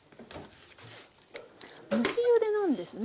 蒸しゆでなんですね。